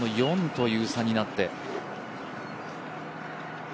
４という差になって。